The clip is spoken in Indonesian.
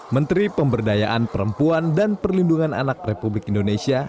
menteri pemberdayaan perempuan dan perlindungan anak republik indonesia